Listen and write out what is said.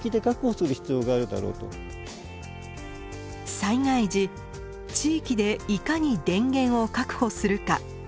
災害時地域でいかに電源を確保するか。